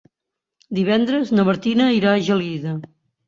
Divendres na Martina irà a Gelida.